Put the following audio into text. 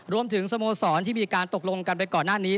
สโมสรที่มีการตกลงกันไปก่อนหน้านี้